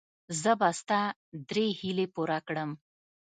زه به ستا درې هیلې پوره کړم.